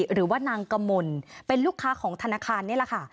หรือว่านางกมลเป็นลูกค้าของธนาคารนี่แหละค่ะ